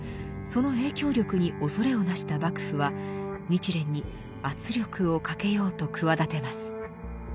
その影響力におそれをなした幕府は日蓮に圧力をかけようと企てます。